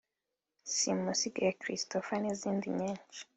Simusiga ya Christopher n'izindi nyinshi